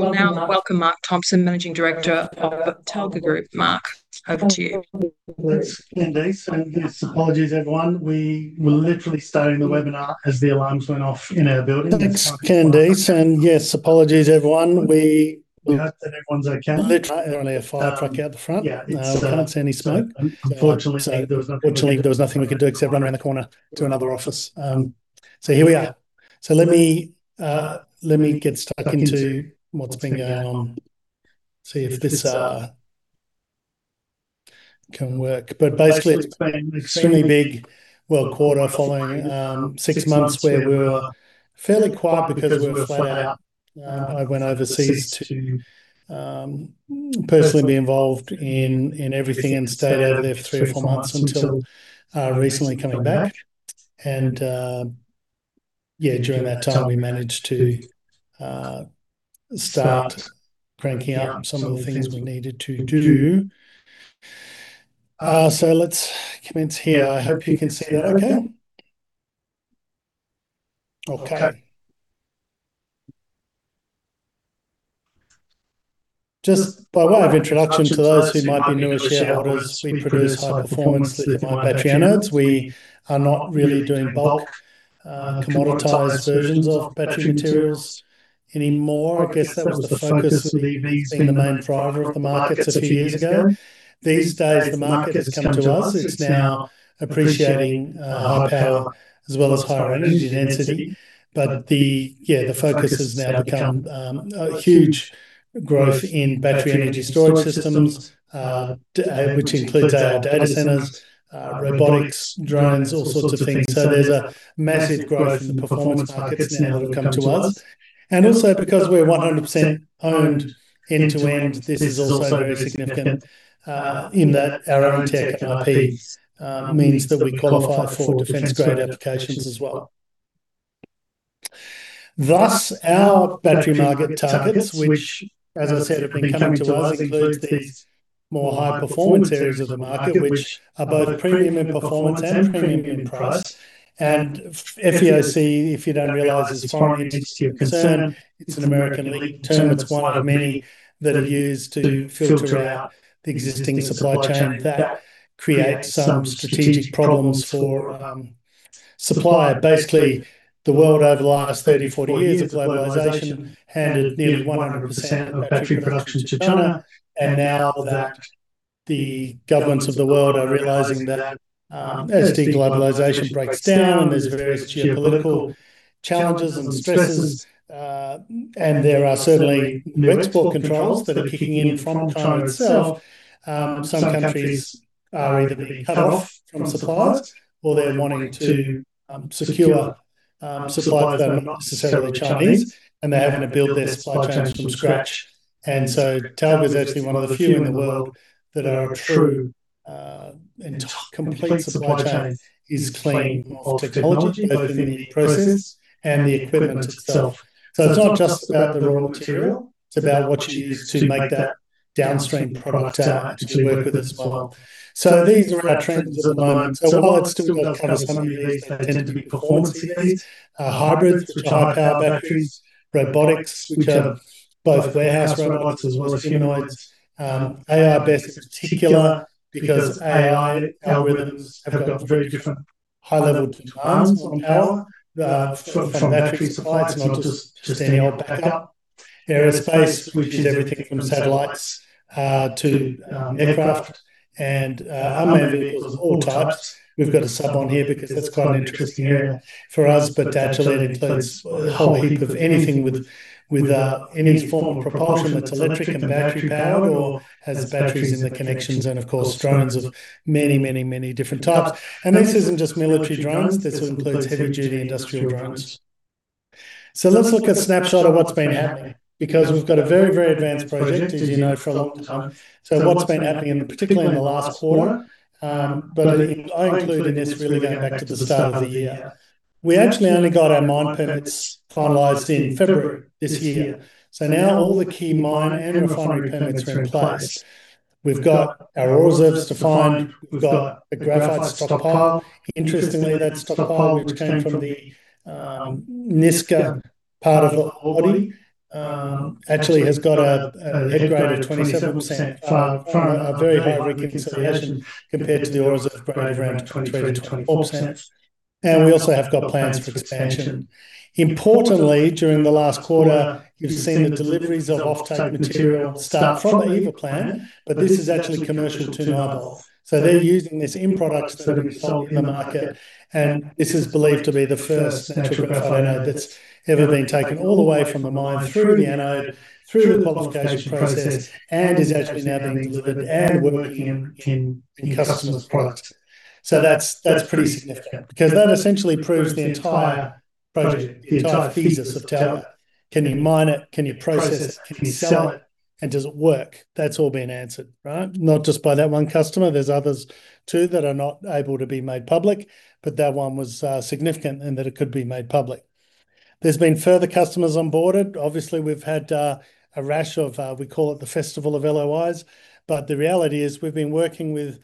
I will now welcome Mark Thompson, Managing Director of Talga Group. Mark, over to you. Thanks, Candice. Yes, apologies everyone. We were literally starting the webinar as the alarms went off in our building. It is apparently a fire truck out the front. Yeah, I cannot see any smoke. Unfortunately, there was nothing we could do except run around the corner to another office. Here we are. Let me get stuck into what has been going on. See if this can work. Basically, it has been an extremely big, well, quarter following six months where we were fairly quiet because we were flat out. I went overseas to personally be involved in everything and stayed out of there for three or four months until recently coming back. Yeah, during that time, we managed to start cranking out some of the things we needed to do. Let us commence here. I hope you can see that okay. Okay. Just by way of introduction to those who might be newer shareholders, we produce high-performance lithium-ion battery anodes. We are not really doing bulk commoditized versions of battery materials anymore. I guess that was the focus of EV being the main driver of the markets a few years ago. These days, the market has come to us. It is now appreciating high power as well as high energy density. The focus has now become a huge growth in battery energy storage systems, which includes AI data centers, robotics, drones, all sorts of things. There is a massive growth in the performance markets now that have come to us. Also because we are 100% owned end-to-end, this is also very significant, in that our own tech IP means that we qualify for defense-grade applications as well. Thus, our battery market targets, which, as I said, have been coming to us, includes these more high-performance areas of the market, which are both premium in performance and premium in price. FEOC, if you do not realize, is a foreign entity of concern. It is an American elite term. It is one of many that are used to filter out the existing supply chain that creates some strategic problems for supplier. Basically, the world over the last 30, 40 years of globalization handed nearly 100% of battery production to China. Now that the governments of the world are realizing that as de-globalization breaks down and there's various geopolitical challenges and stresses, there are certainly new export controls that are kicking in from China itself. Some countries are either being cut off from suppliers or they're wanting to secure suppliers that are not necessarily Chinese, and they're having to build their supply chains from scratch. Talga is actually one of the few in the world that are a true end-to-complete supply chain is clean of technology, both in the process and the equipment itself. It's not just about the raw material, it's about what you use to make that downstream product actually work with as well. These are our trends at the moment. While it still does cover some of these, they tend to be performance EVs. Hybrids, which are high-power batteries. Robotics, which are both warehouse robots as well as humanoids. AI/BESS is particular because AI algorithms have got very different high-level demands on power from battery supply. It's not just any old backup. Aerospace, which is everything from satellites to aircraft and unmanned vehicles of all types. We've got a sub on here because that's quite an interesting area for us. That actually includes a whole heap of anything with any form of propulsion that's electric and battery-powered or has batteries in the connections and, of course, drones of many, many, many different types. This isn't just military drones, this includes heavy-duty industrial drones. Let's look a snapshot of what's been happening because we've got a very, very advanced project, as you know, for a long time. What's been happening in particular in the last quarter? I include in this really going back to the start of the year. We actually only got our mine permits finalized in February this year. Now all the key mine and refinery permits are in place. We've got our ore reserves defined. We've got a graphite stockpile. Interestingly, that stockpile, which came from the Niska part of the ore body, actually has got a head grade of 27% from a very high reconciliation compared to the ore reserve grade of around 23%-24%. We also have got plans for expansion. Importantly, during the last quarter, you've seen the deliveries of offtake material start from the Eva plant, but this is actually commercial to Nyobolt. They're using this end product that we've sold in the market, and this is believed to be the first natural graphite anode that's ever been taken all the way from a mine through the anode, through the qualification process, and is actually now being delivered and working in customers' products. That's pretty significant because that essentially proves the entire project, the entire thesis of Talga. Can you mine it? Can you process it? Can you sell it? And does it work? That's all been answered, right? Not just by that one customer. There's others, too, that are not able to be made public, but that one was significant in that it could be made public. There's been further customers onboarded. Obviously, we've had a rash of, we call it the festival of LOIs. The reality is we've been working with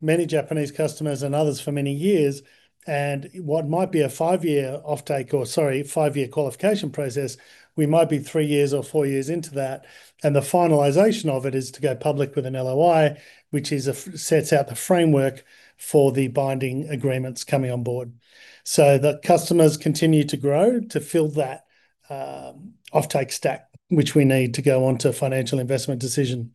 many Japanese customers and others for many years, and what might be a five-year offtake or, sorry, five-year qualification process, we might be three years or four years into that. The finalization of it is to go public with an LOI, which sets out the framework for the binding agreements coming on board. The customers continue to grow to fill that offtake stack, which we need to go onto financial investment decision.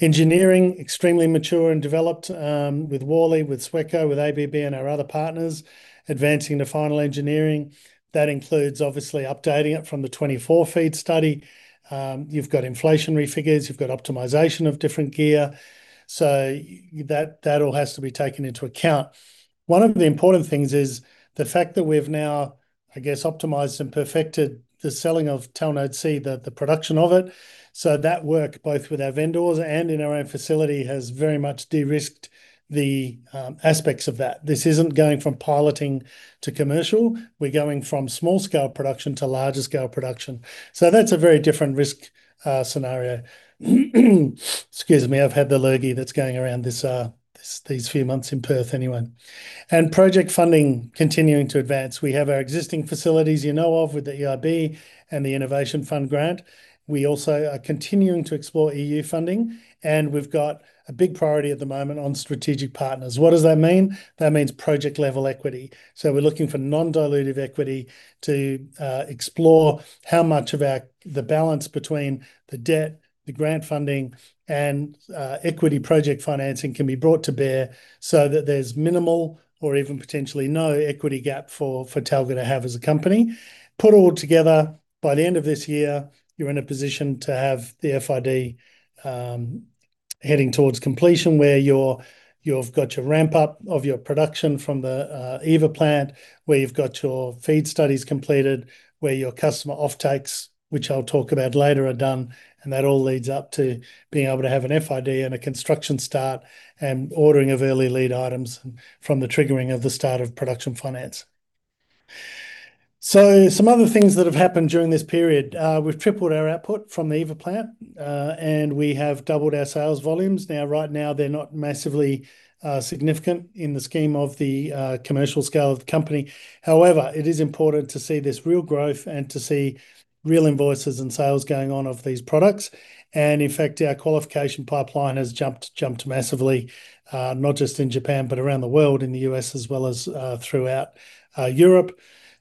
Engineering, extremely mature and developed, with Worley, with Sweco, with ABB and our other partners. Advancing to final engineering. That includes obviously updating it from the 2024 FEED study. You've got inflationary figures, you've got optimization of different gear. That all has to be taken into account. One of the important things is the fact that we've now, I guess, optimized and perfected the selling of Talnode-C, the production of it. That work, both with our vendors and in our own facility, has very much de-risked the aspects of that. This isn't going from piloting to commercial. We're going from small-scale production to larger-scale production. That's a very different risk scenario. Excuse me, I've had the lurgy that's going around these few months in Perth anyway. Project funding continuing to advance. We have our existing facilities you know of with the lurgy We also are continuing to explore EU funding, and we've got a big priority at the moment on strategic partners. What does that mean? That means project-level equity. We're looking for non-dilutive equity to explore how much of the balance between the debt, the grant funding, and equity project financing can be brought to bear so that there's minimal or even potentially no equity gap for Talga to have as a company. Put all together, by the end of this year, you're in a position to have the FID heading towards completion, where you've got your ramp-up of your production from the EVA plant, where you've got your FEED studies completed, where your customer offtakes, which I'll talk about later, are done. That all leads up to being able to have an FID and a construction start and ordering of early lead items from the triggering of the start of production finance. Some other things that have happened during this period. We've tripled our output from the EVA plant. We have doubled our sales volumes. Now, right now, they're not massively significant in the scheme of the commercial scale of the company. However, it is important to see this real growth and to see real invoices and sales going on of these products. In fact, our qualification pipeline has jumped massively, not just in Japan, but around the world, in the U.S. as well as throughout Europe.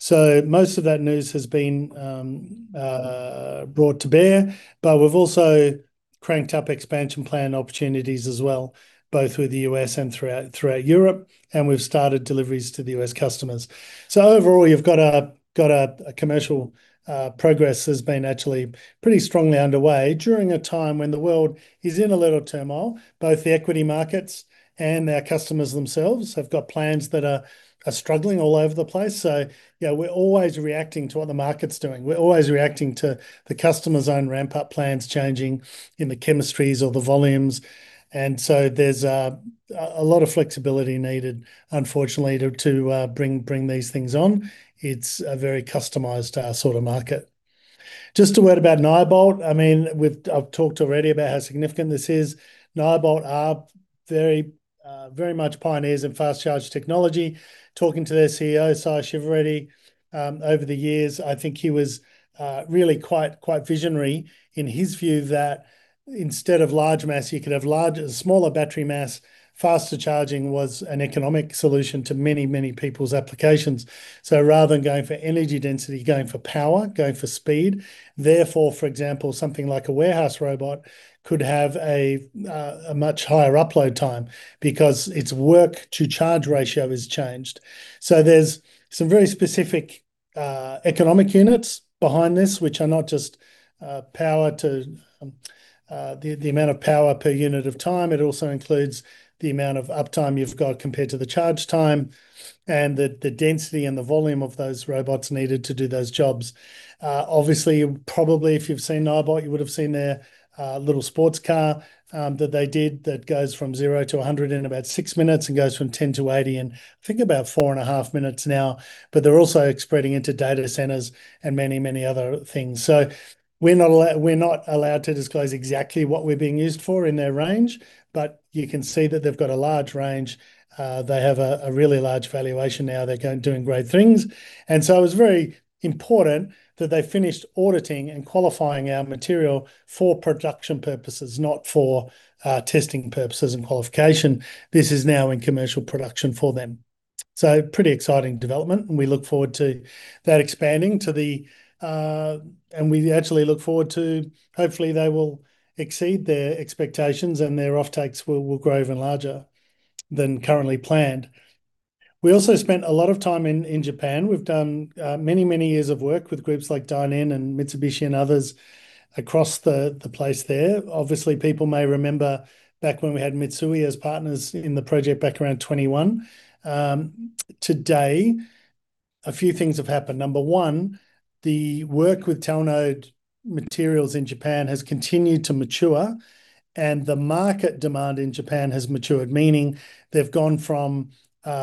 Most of that news has been brought to bear. We've also cranked up expansion plan opportunities as well, both with the U.S. and throughout Europe. We've started deliveries to the U.S. customers. Overall, you've got a commercial progress has been actually pretty strongly underway during a time when the world is in a little turmoil. Both the equity markets and our customers themselves have got plans that are struggling all over the place. We're always reacting to what the market's doing. We're always reacting to the customer's own ramp-up plans changing in the chemistries or the volumes. There's a lot of flexibility needed, unfortunately, to bring these things on. It's a very customized sort of market. Just a word about Nyobolt. I've talked already about how significant this is. Nyobolt are very much pioneers in fast charge technology. Talking to their CEO, Sai Shivareddy, over the years, I think he was really quite visionary in his view that instead of large mass, you could have smaller battery mass. Faster charging was an economic solution to many, many people's applications. Rather than going for energy density, going for power, going for speed. Therefore, for example, something like a warehouse robot could have a much higher upload time because its work to charge ratio has changed. There's some very specific economic units behind this, which are not just the amount of power per unit of time. It also includes the amount of uptime you've got compared to the charge time, and the density and the volume of those robots needed to do those jobs. Obviously, probably if you've seen Nyobolt, you would have seen their little sports car that they did that goes from zero to 100 in about six minutes and goes from 10 to 80 in, I think, about four and a half minutes now. They're also expanding into data centers and many, many other things. We're not allowed to disclose exactly what we're being used for in their range, but you can see that they've got a large range. They have a really large valuation now. They're doing great things. It was very important that they finished auditing and qualifying our material for production purposes, not for testing purposes and qualification. This is now in commercial production for them. Pretty exciting development, and we look forward to that expanding to the. We actually look forward to hopefully they will exceed their expectations, and their offtakes will grow even larger than currently planned. We also spent a lot of time in Japan. We've done many, many years of work with groups like Daikin and Mitsubishi and others across the place there. Obviously, people may remember back when we had Mitsui as partners in the project back around 2021. Today, a few things have happened. Number one, the work with Talnode Materials in Japan has continued to mature, and the market demand in Japan has matured, meaning they've gone from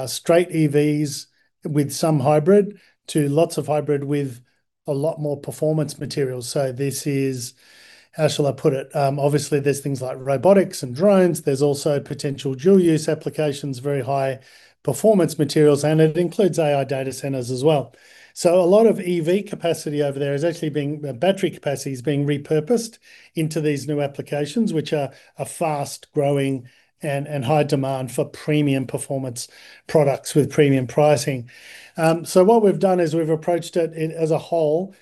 straight EVs with some hybrid to lots of hybrid with a lot more performance materials. This is, how shall I put it? Obviously, there's things like robotics and drones. There's also potential dual-use applications, very high performance materials, and it includes AI data centers as well. A lot of EV capacity over there, the battery capacity is being repurposed into these new applications, which are a fast-growing and high demand for premium performance products with premium pricing. What we've done is we've approached it as a whole,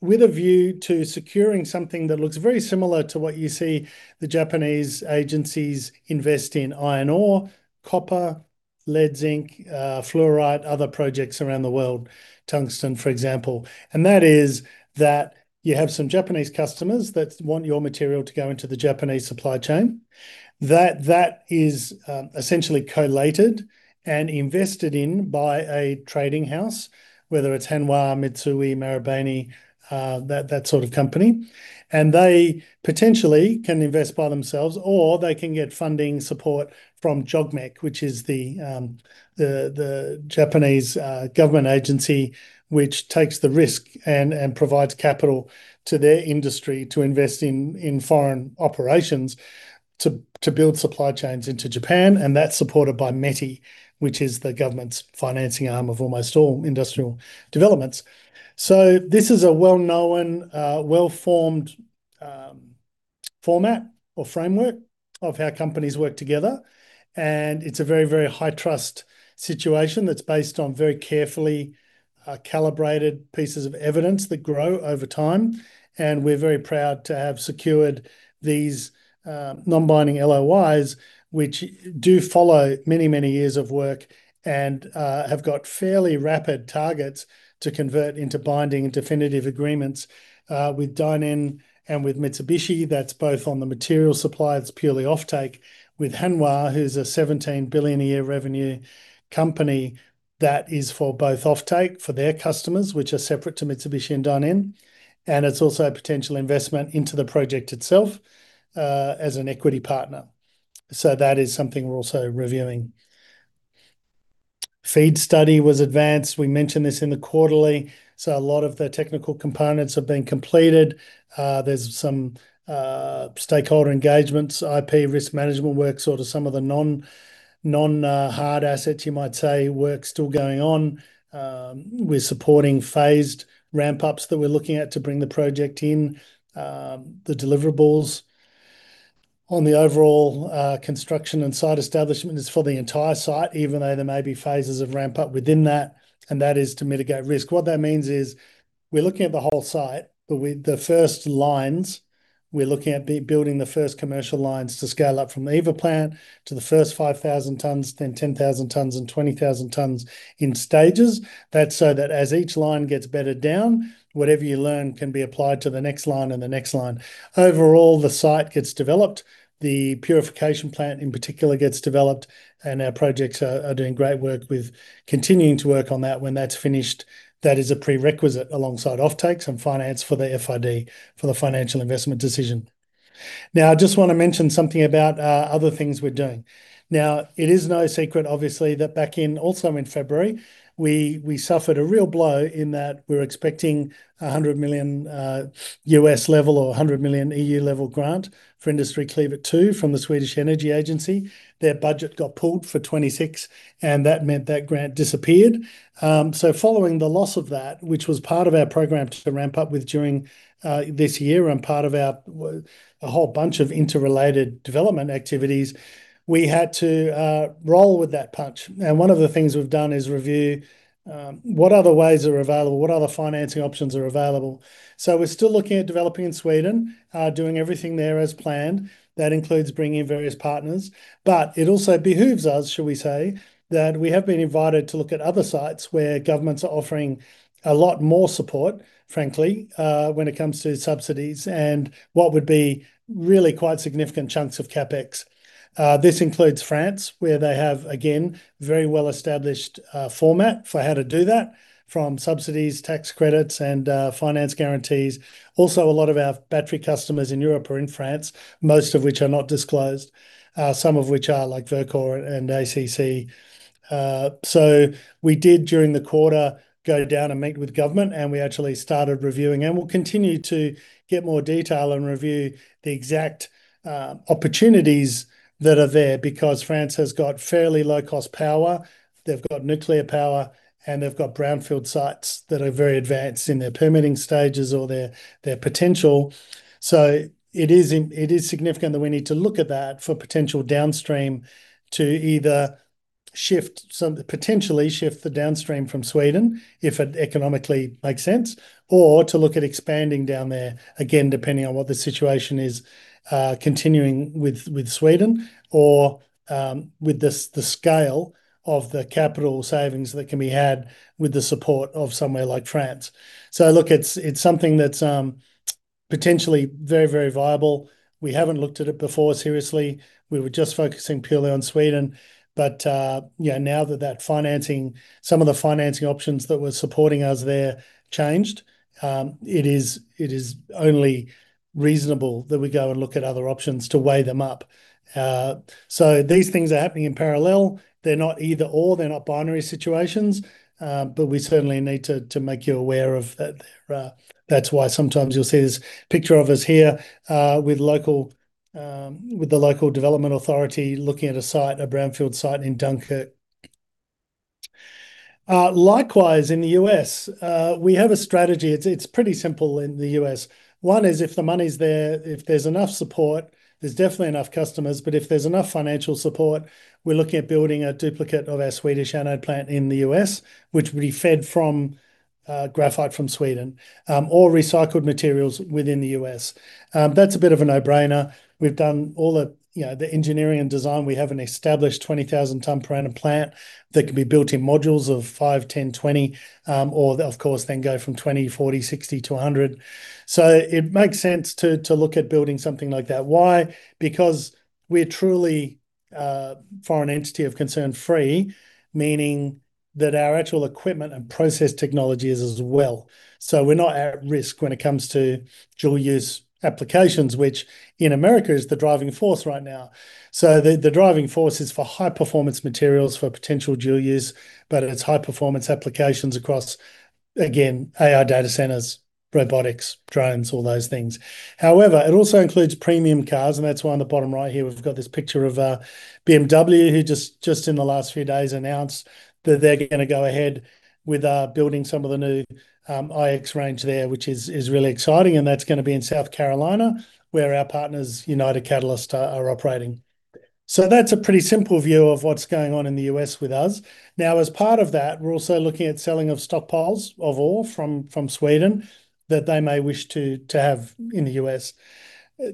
with a view to securing something that looks very similar to what you see the Japanese agencies invest in iron ore, copper, lead, zinc, fluorite, other projects around the world, tungsten, for example. That is that you have some Japanese customers that want your material to go into the Japanese supply chain. That is essentially collated and invested in by a trading house, whether it's Hanwha, Mitsui, Marubeni, that sort of company. They potentially can invest by themselves, or they can get funding support from JOGMEC, which is the Japanese government agency, which takes the risk and provides capital to their industry to invest in foreign operations to build supply chains into Japan. That's supported by METI, which is the government's financing arm of almost all industrial developments. This is a well-known, well-formed format or framework of how companies work together. It's a very high-trust situation that's based on very carefully calibrated pieces of evidence that grow over time. We're very proud to have secured these non-binding LOIs, which do follow many years of work and have got fairly rapid targets to convert into binding and definitive agreements. With Daikin and with Mitsubishi, that's both on the material supply, that's purely offtake. With Hanwha, who's a 17 billion a year revenue company, that is for both offtake for their customers, which are separate to Mitsubishi and Daikin, and it's also a potential investment into the project itself, as an equity partner. That is something we're also reviewing. FEED study was advanced. We mentioned this in the quarterly. A lot of the technical components have been completed. There's some stakeholder engagements, IP risk management work, sort of some of the non-hard assets you might say, work still going on. We're supporting phased ramp-ups that we're looking at to bring the project in. The deliverables on the overall construction and site establishment is for the entire site, even though there may be phases of ramp-up within that, and that is to mitigate risk. What that means is, we're looking at the whole site. With the first lines, we're looking at building the first commercial lines to scale up from EVA plant to the first 5,000 tons, then 10,000 tons and 20,000 tons in stages. That's so that as each line gets bedded down, whatever you learn can be applied to the next line and the next line. Overall, the site gets developed. The purification plant in particular gets developed. Our projects are doing great work with continuing to work on that when that's finished. That is a prerequisite alongside offtakes and finance for the FID, for the financial investment decision. I just want to mention something about other things we're doing. It is no secret, obviously, that back in also in February, we suffered a real blow in that we were expecting $100 million U.S.-level or 100 million EU-level grant for Industriklivet 2 from the Swedish Energy Agency. Their budget got pulled for 2026, and that meant that grant disappeared. Following the loss of that, which was part of our program to ramp- up with during this year and part of our whole bunch of interrelated development activities, we had to roll with that punch. One of the things we've done is review what other ways are available, what other financing options are available. We're still looking at developing in Sweden, doing everything there as planned. That includes bringing various partners. It also behooves us, shall we say, that we have been invited to look at other sites where governments are offering a lot more support, frankly, when it comes to subsidies and what would be really quite significant chunks of CapEx. This includes France, where they have, again, very well-established format for how to do that, from subsidies, tax credits, and finance guarantees. A lot of our battery customers in Europe are in France, most of which are not disclosed. Some of which are like Verkor and ACC. We did, during the quarter, go down and meet with government, and we actually started reviewing. We'll continue to get more detail and review the exact opportunities that are there because France has got fairly low-cost power, they've got nuclear power, and they've got brownfield sites that are very advanced in their permitting stages or their potential. It is significant that we need to look at that for potential downstream to either potentially shift the downstream from Sweden if it economically makes sense, or to look at expanding down there, again, depending on what the situation is, continuing with Sweden or with the scale of the capital savings that can be had with the support of somewhere like France. Look, it's something that's potentially very viable. We haven't looked at it before seriously. We were just focusing purely on Sweden. Now that some of the financing options that were supporting us there changed, it is only reasonable that we go and look at other options to weigh them up. These things are happening in parallel. They're not either/or, they're not binary situations. We certainly need to make you aware of that. That's why sometimes you'll see this picture of us here, with the local development authority looking at a site, a brownfield site in Dunkirk. Likewise, in the U.S., we have a strategy. It's pretty simple in the U.S. One is if the money's there, if there's enough support, there's definitely enough customers. If there's enough financial support, we're looking at building a duplicate of our Swedish anode plant in the U.S., which will be fed from graphite from Sweden, or recycled materials within the U.S.. That's a bit of a no-brainer. We've done all the engineering and design. We have an established 20,000 ton per annum plant that can be built in modules of five, 10, 20, or of course, then go from 20, 40, 60 to 100. It makes sense to look at building something like that. Why? Because we're truly foreign entity of concern-free, meaning that our actual equipment and process technology is as well. We're not at risk when it comes to dual-use applications, which in America is the driving force right now. The driving force is for high-performance materials for potential dual-use, but it's high-performance applications across, again, AI data centers, robotics, drones, all those things. That's why on the bottom right here we've got this picture of a BMW who just in the last few days announced that they're going to go ahead with building some of the new iX range there, which is really exciting. That's going to be in South Carolina, where our partners, United Catalyst, are operating. That's a pretty simple view of what's going on in the U.S. with us. As part of that, we're also looking at selling of stockpiles of ore from Sweden that they may wish to have in the U.S..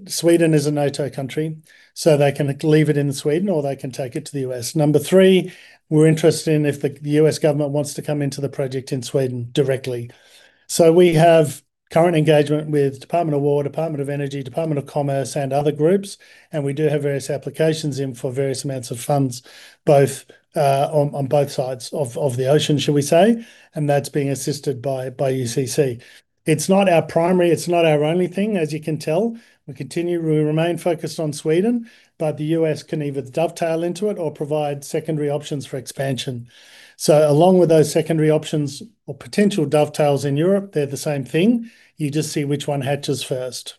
Sweden is a NATO country, so they can leave it in Sweden, or they can take it to the U.S.. Number three, we're interested in if the U.S. government wants to come into the project in Sweden directly. We have current engagement with Department of War, Department of Energy, Department of Commerce, and other groups, and we do have various applications in for various amounts of funds on both sides of the ocean, shall we say. That's being assisted by UCC. It's not our primary, it's not our only thing, as you can tell. We remain focused on Sweden, but the U.S. can either dovetail into it or provide secondary options for expansion. Along with those secondary options or potential dovetails in Europe, they're the same thing. You just see which one hatches first.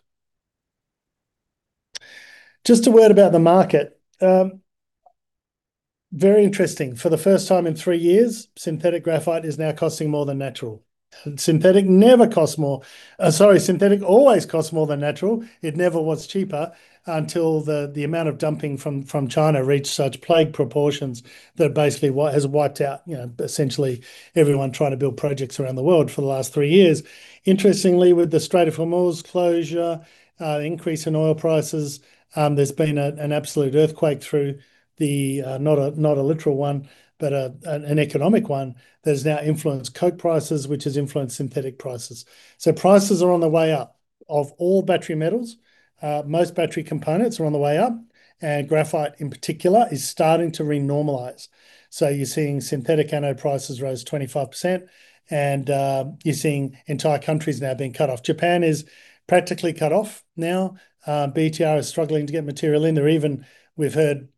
Just a word about the market. Very interesting. For the first time in three years, synthetic graphite is now costing more than natural. Synthetic always costs more than natural. It never was cheaper until the amount of dumping from China reached such plague proportions that basically has wiped out essentially everyone trying to build projects around the world for the last three years. Interestingly, with the Strait of Hormuz closure, increase in oil prices, there's been an absolute earthquake through the, not a literal one, but an economic one that has now influenced coke prices, which has influenced synthetic prices. Prices are on the way up. Of all battery metals, most battery components are on the way up, and graphite in particular is starting to re-normalize. You're seeing synthetic anode prices rise 25%, and you're seeing entire countries now being cut off. Japan is practically cut off now. BTR is struggling to get material in. We've heard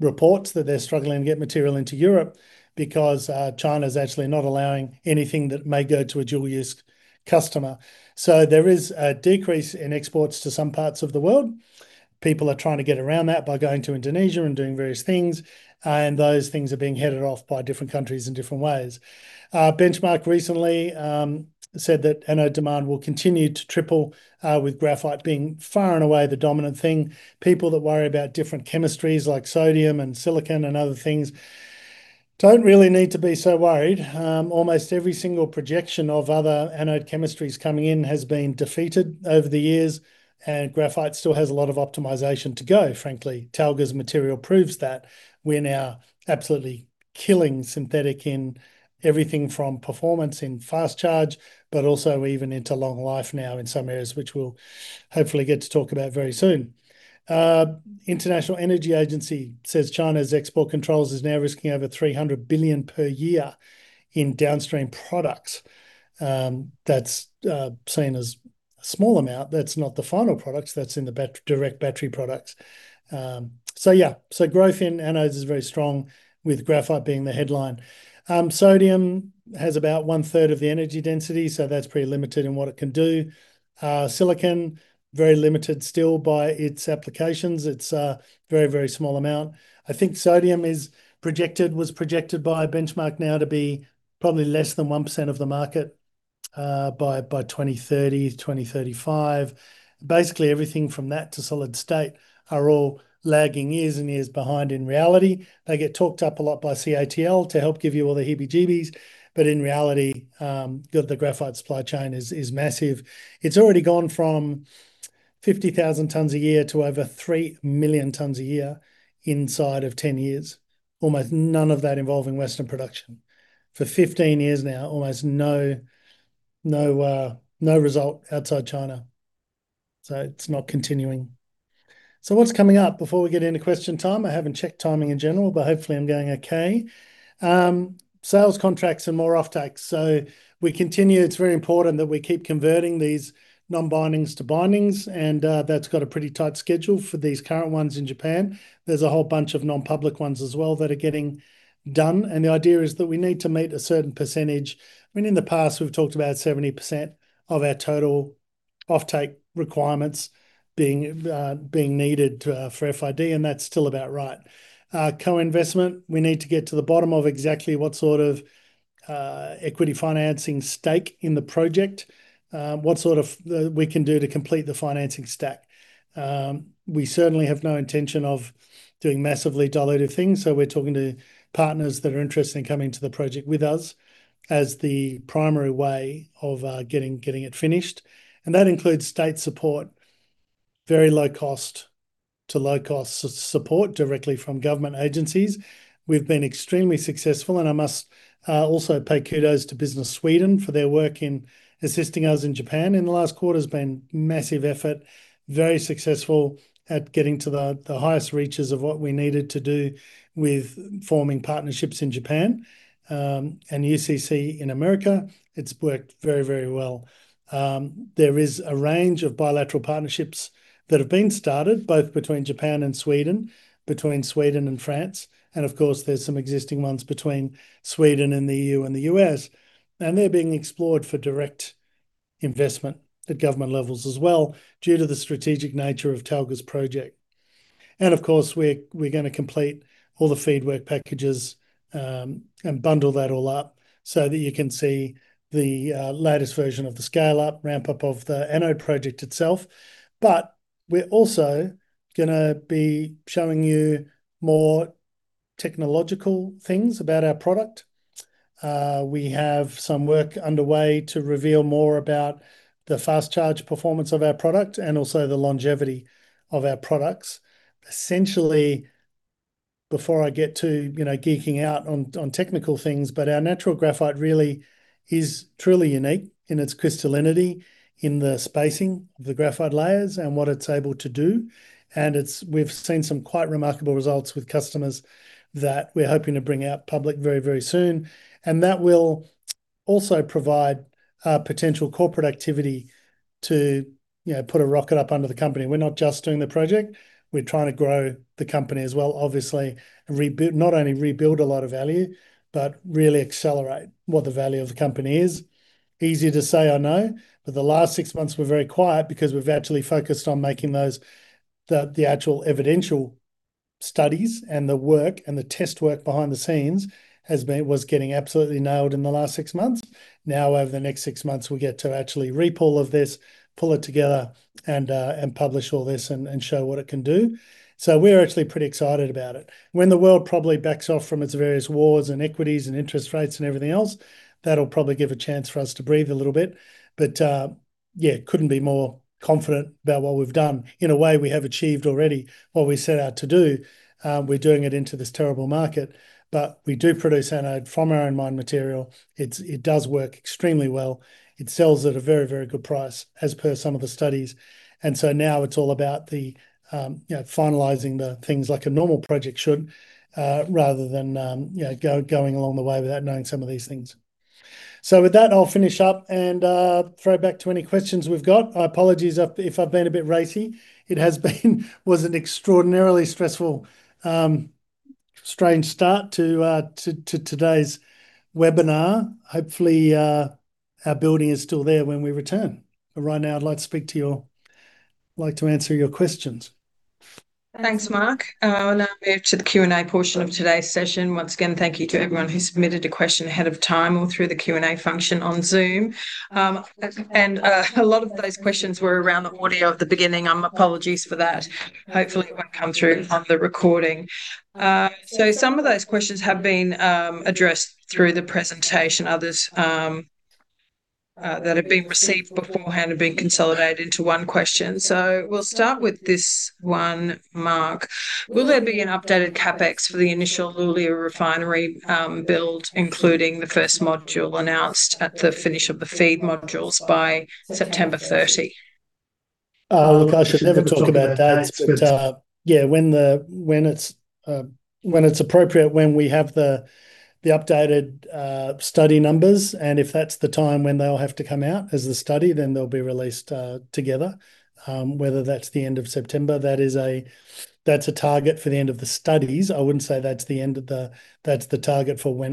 reports that they're struggling to get material into Europe because China's actually not allowing anything that may go to a dual-use customer. There is a decrease in exports to some parts of the world. People are trying to get around that by going to Indonesia and doing various things, and those things are being headed off by different countries in different ways. Benchmark recently said that anode demand will continue to triple, with graphite being far and away the dominant thing. People that worry about different chemistries like sodium and silicon and other things don't really need to be so worried. Almost every single projection of other anode chemistries coming in has been defeated over the years, and graphite still has a lot of optimization to go, frankly. Talga's material proves that we're now absolutely killing synthetic in everything from performance in fast charge, but also even into long life now in some areas, which we'll hopefully get to talk about very soon. International Energy Agency says China's export controls is now risking over 300 billion per year in downstream products. That's seen as a small amount. That's not the final products. That's in the direct battery products. Yeah. Growth in anodes is very strong, with graphite being the headline. Sodium has about one-third of the energy density, so that's pretty limited in what it can do. Silicon, very limited still by its applications. It's a very small amount. I think sodium was projected by Benchmark now to be probably less than 1% of the market by 2030-2035. Basically, everything from that to solid state are all lagging years and years behind in reality. They get talked up a lot by CATL to help give you all the heebie-jeebies. In reality, the graphite supply chain is massive. It's already gone from 50,000 tons a year to over 3 million tons a year inside of 10 years, almost none of that involving Western production. For 15 years now, almost no result outside China. It's not continuing. What's coming up before we get into question time? I haven't checked timing in general, but hopefully I'm going okay. Sales contracts and more offtakes. We continue. It's very important that we keep converting these non-bindings to bindings, and that's got a pretty tight schedule for these current ones in Japan. There's a whole bunch of non-public ones as well that are getting done, and the idea is that we need to meet a certain percentage. In the past, we've talked about 70% of our total offtake requirements being needed for FID, and that's still about right. Co-investment, we need to get to the bottom of exactly what sort of equity financing stake in the project, what we can do to complete the financing stack. We certainly have no intention of doing massively dilutive things, so we're talking to partners that are interested in coming to the project with us as the primary way of getting it finished, and that includes state support. Very low cost to low cost support directly from government agencies. We've been extremely successful, and I must also pay kudos to Business Sweden for their work in assisting us in Japan in the last quarter. It's been a massive effort, very successful at getting to the highest reaches of what we needed to do with forming partnerships in Japan, and UCC in America. It's worked very well. There is a range of bilateral partnerships that have been started, both between Japan and Sweden, between Sweden and France, and of course, there's some existing ones between Sweden and the EU and the U.S.. They're being explored for direct investment at government levels as well, due to the strategic nature of Talga's project. Of course, we're going to complete all the FEED work packages, and bundle that all up so that you can see the latest version of the scale-up, ramp-up of the anode project itself. We're also going to be showing you more technological things about our product. We have some work underway to reveal more about the fast charge performance of our product and also the longevity of our products. Essentially, before I get to geeking out on technical things, our natural graphite really is truly unique in its crystallinity, in the spacing of the graphite layers and what it's able to do. We've seen some quite remarkable results with customers that we're hoping to bring out public very soon. That will also provide potential corporate activity to put a rocket up under the company. We're not just doing the project. We're trying to grow the company as well, obviously, not only rebuild a lot of value, but really accelerate what the value of the company is. Easy to say, I know. The last six months were very quiet because we've actually focused on making the actual evidential studies and the work and the test work behind the scenes was getting absolutely nailed in the last six months. Now over the next six months, we get to actually reap all of this, pull it together and publish all this and show what it can do. We're actually pretty excited about it. When the world probably backs off from its various wars and equities and interest rates and everything else, that'll probably give a chance for us to breathe a little bit. Yeah, couldn't be more confident about what we've done. In a way, we have achieved already what we set out to do. We're doing it into this terrible market, but we do produce anode from our own mined material. It does work extremely well. It sells at a very good price as per some of the studies, now it's all about finalizing the things like a normal project should, rather than going along the way without knowing some of these things. With that, I'll finish up and throw back to any questions we've got. I apologize if I've been a bit racy. It was an extraordinarily stressful, strange start to today's webinar. Hopefully, our building is still there when we return. Right now, I'd like to answer your questions. Thanks, Mark. I'll now move to the Q&A portion of today's session. Once again, thank you to everyone who submitted a question ahead of time or through the Q&A function on Zoom. A lot of those questions were around the audio at the beginning. Apologies for that. Hopefully it won't come through on the recording. Some of those questions have been addressed through the presentation. Others that have been received beforehand have been consolidated into one question. We'll start with this one, Mark. Will there be an updated CapEx for the initial Luleå refinery build, including the first module announced at the finish of the FEED modules by September 30? I should never talk about dates, but yeah, when it's appropriate, when we have the updated study numbers, and if that's the time when they'll have to come out as the study, then they'll be released together. Whether that's the end of September, that's a target for the end of the studies. I wouldn't say that's the target for when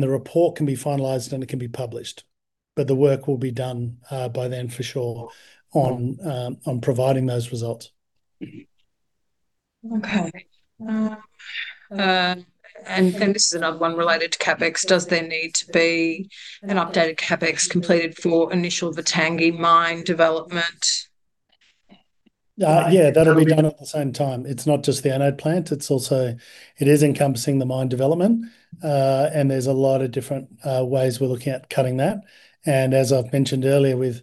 the report can be finalized and it can be published. The work will be done by then for sure on providing those results. Okay. This is another one related to CapEx. Does there need to be an updated CapEx completed for initial Vittangi mine development? Yeah. That'll be done at the same time. It's not just the anode plant, it is encompassing the mine development. There's a lot of different ways we're looking at cutting that. As I've mentioned earlier, with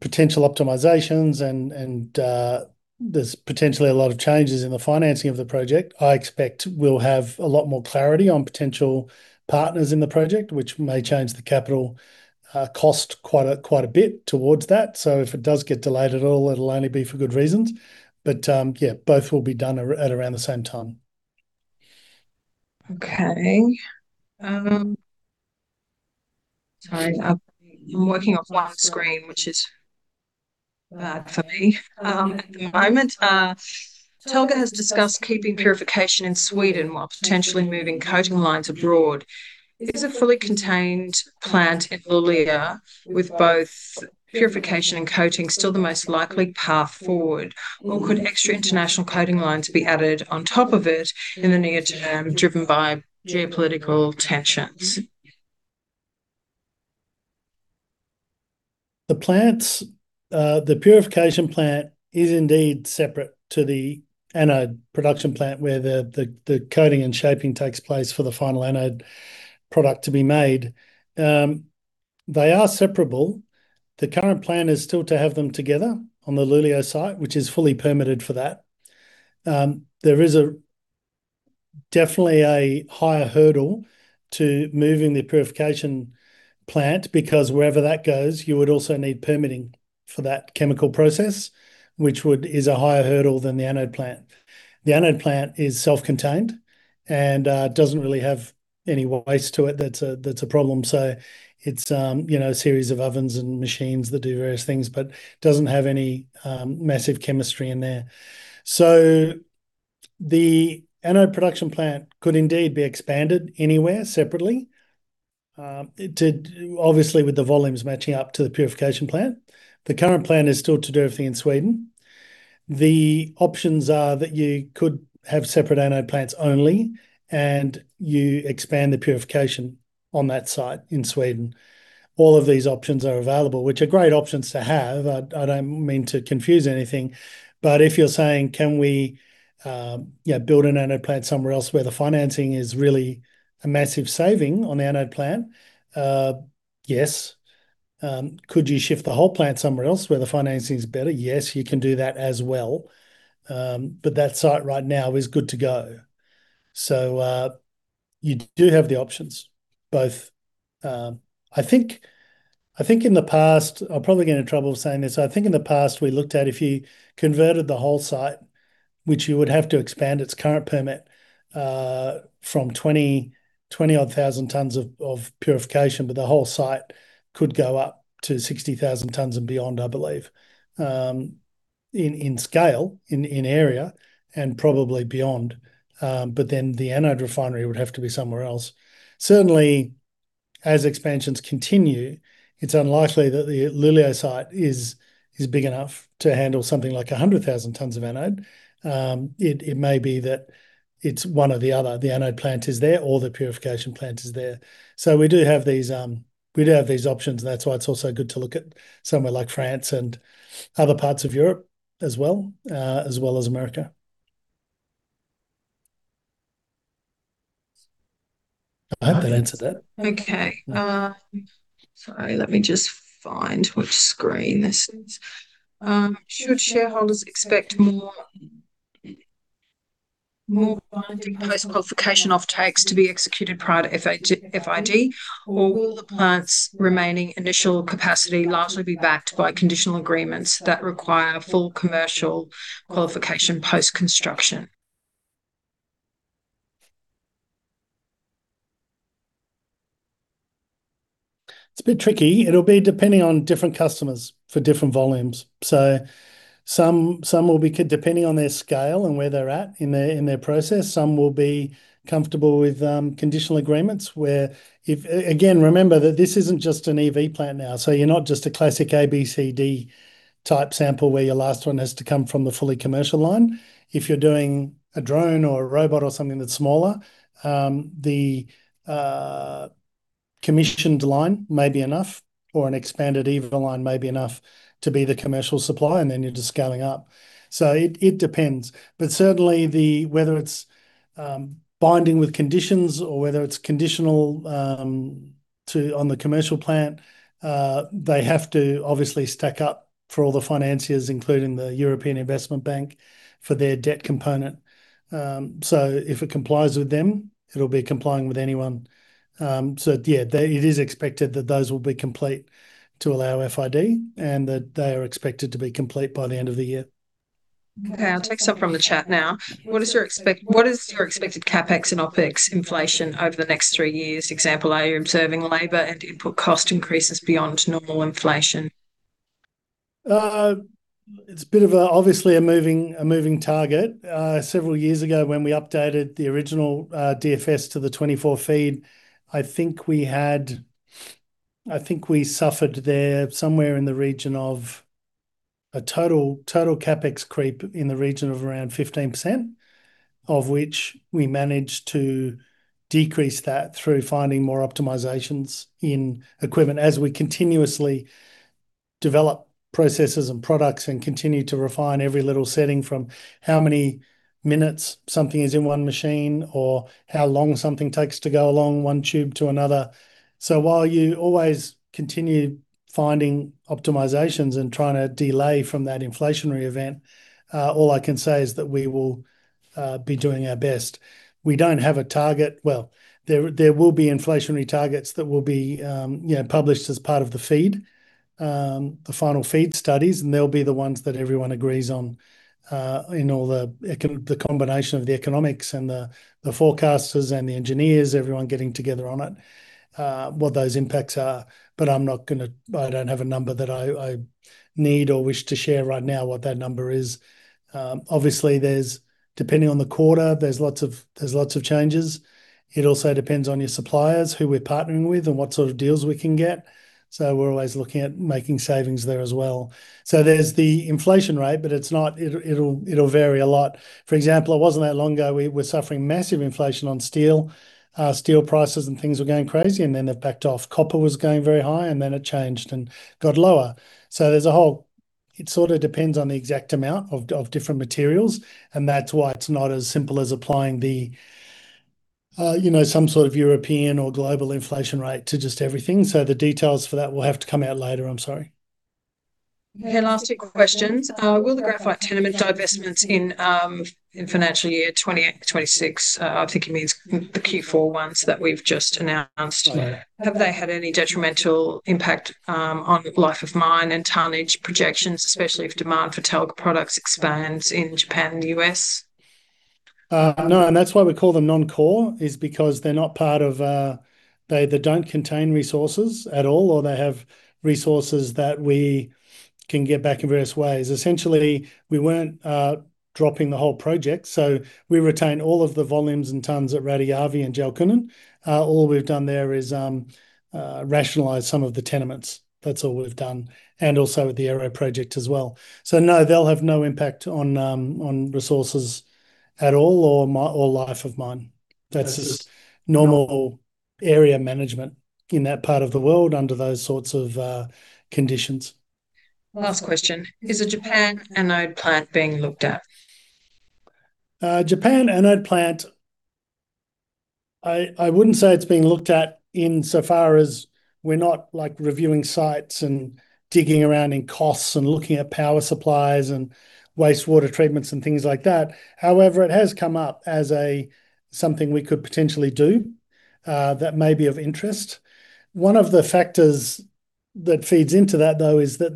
potential optimizations and there's potentially a lot of changes in the financing of the project, I expect we'll have a lot more clarity on potential partners in the project, which may change the capital cost quite a bit towards that. If it does get delayed at all, it'll only be for good reasons. Yeah, both will be done at around the same time. Okay. Sorry. I'm working off one screen, which is bad for me at the moment. Talga has discussed keeping purification in Sweden while potentially moving coating lines abroad. Is a fully contained plant in Luleå with both purification and coating still the most likely path forward, or could extra international coating lines be added on top of it in the near term, driven by geopolitical tensions? The purification plant is indeed separate to the anode production plant, where the coating and shaping takes place for the final anode product to be made. They are separable. The current plan is still to have them together on the Luleå site, which is fully permitted for that. There is definitely a higher hurdle to moving the purification plant, because wherever that goes, you would also need permitting for that chemical process, which is a higher hurdle than the anode plant. The anode plant is self-contained and doesn't really have any waste to it that's a problem. It's a series of ovens and machines that do various things, but doesn't have any massive chemistry in there. The anode production plant could indeed be expanded anywhere separately, obviously with the volumes matching up to the purification plant. The current plan is still to do everything in Sweden. The options are that you could have separate anode plants only, and you expand the purification on that site in Sweden. All of these options are available, which are great options to have. I don't mean to confuse anything. If you're saying, can we build an anode plant somewhere else where the financing is really a massive saving on the anode plant? Yes. Could you shift the whole plant somewhere else where the financing's better? Yes, you can do that as well. That site right now is good to go. You do have the options, both. I think in the past, I'll probably get in trouble saying this, I think in the past we looked at if you converted the whole site, which you would have to expand its current permit from 20-odd thousand tons of purification, the whole site could go up to 60,000 tons and beyond, I believe, in scale, in area, and probably beyond. The anode refinery would have to be somewhere else. Certainly, as expansions continue, it's unlikely that the Luleå site is big enough to handle something like 100,000 tons of anode. It may be that it's one or the other. The anode plant is there, or the purification plant is there. We do have these options. That's why it's also good to look at somewhere like France and other parts of Europe as well, as well as America. I hope that answered that. Okay. Sorry, let me just find which screen this is. Should shareholders expect more binding post-qualification offtakes to be executed prior to FID? Or will the plant's remaining initial capacity largely be backed by conditional agreements that require full commercial qualification post-construction? It's a bit tricky. It'll be depending on different customers for different volumes. Some will be, depending on their scale and where they're at in their process, some will be comfortable with conditional agreements where remember that this isn't just an EV plant now. You're not just a classic A, B, C, D type sample where your last one has to come from the fully commercial line. If you're doing a drone or a robot or something that's smaller, the commissioned line may be enough, or an expanded EV line may be enough to be the commercial supply, and then you're just scaling up. It depends. Certainly, whether it's binding with conditions or whether it's conditional on the commercial plant, they have to obviously stack up for all the financiers, including the European Investment Bank, for their debt component. If it complies with them, it'll be complying with anyone. Yeah, it is expected that those will be complete to allow FID and that they are expected to be complete by the end of the year. Okay, I'll take some from the chat now. What is your expected CapEx and OpEx inflation over the next three years? Example, are you observing labor and input cost increases beyond normal inflation? It's a bit of obviously a moving target. Several years ago when we updated the original DFS to the 2024 FEED, I think we suffered there somewhere in the region of a total CapEx creep in the region of around 15%, of which we managed to decrease that through finding more optimizations in equipment as we continuously develop processes and products and continue to refine every little setting from how many minutes something is in one machine or how long something takes to go along one tube to another. While you always continue finding optimizations and trying to delay from that inflationary event, all I can say is that we will be doing our best. We don't have a target. Well, there will be inflationary targets that will be published as part of the FEED, the final FEED studies. They'll be the ones that everyone agrees on in all the combination of the economics and the forecasters and the engineers, everyone getting together on it, what those impacts are. I don't have a number that I need or wish to share right now what that number is. Obviously, depending on the quarter, there's lots of changes. It also depends on your suppliers, who we're partnering with, and what sort of deals we can get. We're always looking at making savings there as well. There's the inflation rate, but it'll vary a lot. For example, it wasn't that long ago we were suffering massive inflation on steel. Steel prices and things were going crazy and then they've backed off. Copper was going very high and then it changed and got lower. It sort of depends on the exact amount of different materials, and that's why it's not as simple as applying some sort of European or global inflation rate to just everything. The details for that will have to come out later. I'm sorry. Okay, last two questions. Will the graphite tenement divestments in financial year 2026, I think it means the Q4 ones that we've just announced- Yeah Have they had any detrimental impact on life of mine and tonnage projections, especially if demand for Talga products expands in Japan and the U.S.? No, that's why we call them non-core is because they don't contain resources at all or they have resources that we can get back in various ways. Essentially, we weren't dropping the whole project, so we retain all of the volumes and tons at Raitajärvi and Jalkunen. All we've done there is rationalize some of the tenements. That's all we've done. Also with the Aero Project as well. No, they'll have no impact on resources at all, or life of mine. That's just normal area management in that part of the world under those sorts of conditions. Last question. Is a Japan anode plant being looked at? Japan anode plant, I wouldn't say it's being looked at in so far as we're not reviewing sites and digging around in costs and looking at power supplies and wastewater treatments and things like that. However, it has come up as something we could potentially do that may be of interest. One of the factors that feeds into that, though, is that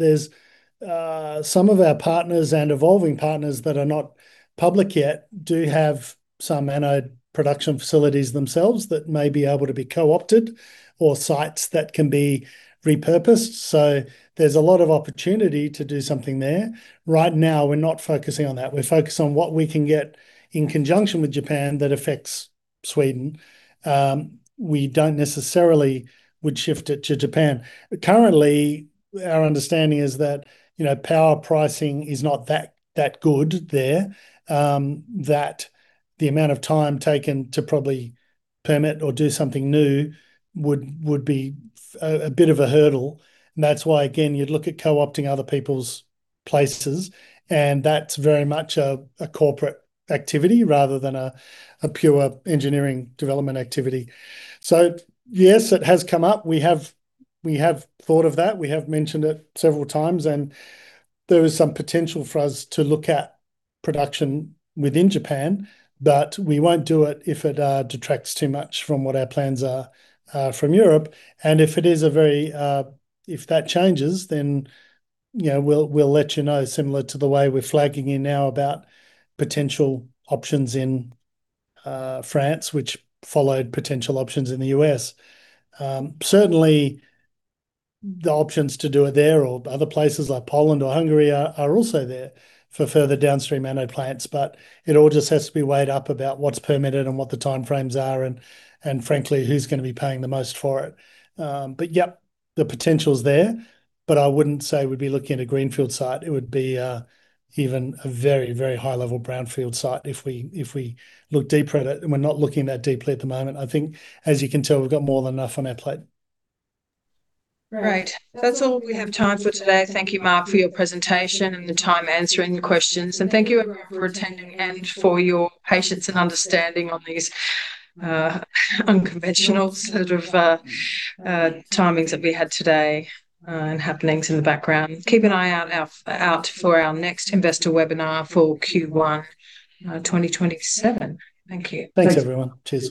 some of our partners and evolving partners that are not public yet do have some anode production facilities themselves that may be able to be co-opted or sites that can be repurposed. There's a lot of opportunity to do something there. Right now, we're not focusing on that. We're focused on what we can get in conjunction with Japan that affects Sweden. We don't necessarily would shift it to Japan. Currently, our understanding is that power pricing is not that good there, that the amount of time taken to probably permit or do something new would be a bit of a hurdle. That's why, again, you'd look at co-opting other people's places, and that's very much a corporate activity rather than a pure engineering development activity. Yes, it has come up. We have thought of that. We have mentioned it several times, and there is some potential for us to look at production within Japan. We won't do it if it detracts too much from what our plans are from Europe. If that changes, then we'll let you know, similar to the way we're flagging you now about potential options in France, which followed potential options in the U.S.. Certainly, the options to do it there or other places like Poland or Hungary are also there for further downstream anode plants. It all just has to be weighed up about what's permitted and what the time frames are, and frankly, who's going to be paying the most for it. Yep, the potential's there. I wouldn't say we'd be looking at a greenfield site. It would be even a very high-level brownfield site if we look deeper at it, and we're not looking that deeply at the moment. I think, as you can tell, we've got more than enough on our plate. Right. That's all we have time for today. Thank you, Mark, for your presentation and the time answering the questions. Thank you everyone for attending and for your patience and understanding on these unconventional sort of timings that we had today, and happenings in the background. Keep an eye out for our next investor webinar for Q1 2027. Thank you. Thanks, everyone. Cheers.